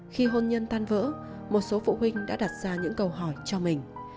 khi hôn nhân tan vỡ một số phụ huynh đã đặt ra những câu hỏi cho mình